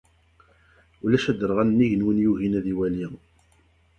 Ulac aderɣal nnig n win yugin ad iwali.